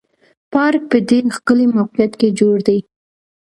پارک په ډېر ښکلي موقعیت کې جوړ دی.